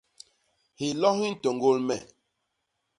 Hilo hi ntôñgôl me.